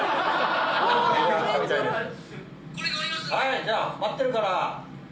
じゃあ待ってるから！